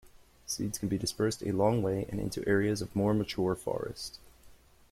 Seeds can be dispersed a long way and into areas of more mature forest.